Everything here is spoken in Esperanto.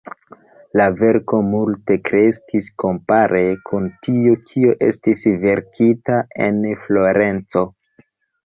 La verko multe kreskis kompare kun tio, kio estis verkita en Florenco.